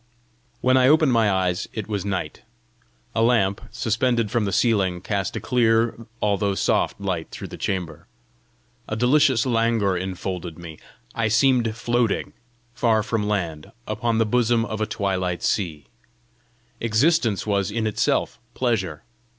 When I opened my eyes, it was night. A lamp, suspended from the ceiling, cast a clear, although soft light through the chamber. A delicious languor infolded me. I seemed floating, far from land, upon the bosom of a twilight sea. Existence was in itself pleasure.